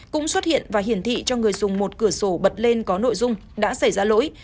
cũng xuất hiện và hiển thị cho người dùng một cửa sổ bật lên có nội dung đã xảy ra lỗi